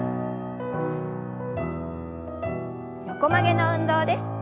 横曲げの運動です。